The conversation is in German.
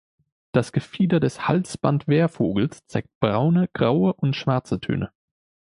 Das Gefieder des Halsband-Wehrvogels zeigt braune, graue und schwarze Töne.